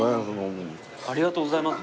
ありがとうございます。